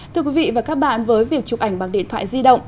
thưa quý vị và các bạn với việc chụp ảnh bằng điện thoại di động